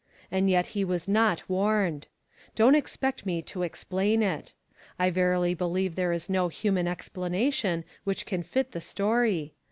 And yet he was not warned. Don't expect me to explain it. I verily believe there is no human explana tion which can fit the story.